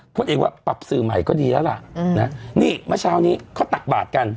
พูดเองว่าปรับสื่อใหม่ก็ดีแล้วล่ะนี่เมื่อเช้านี้เขาตักบาทกัน